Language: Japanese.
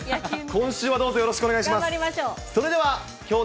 今週はどうぞよろしくお願いしま頑張りましょう。